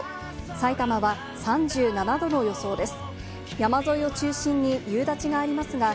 さいたまは３７度の予想です。